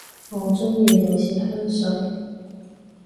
我鍾意女士香水